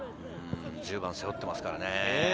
１０番を背負っていますからね。